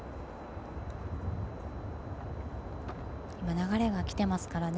流れがきていますからね。